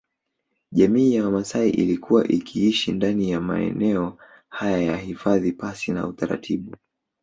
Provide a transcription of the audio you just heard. Jamii ya Wamaasai ilikuwa ikiishi ndani ya maeneo haya ya hifadhi pasi na utaratibu